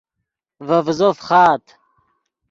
ڤے ڤیزو فخآت